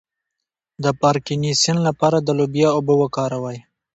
د پارکینسن لپاره د لوبیا اوبه وکاروئ